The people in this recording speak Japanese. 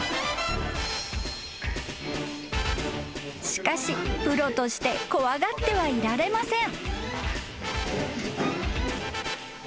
［しかしプロとして怖がってはいられません］